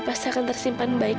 pasti akan tersimpan baik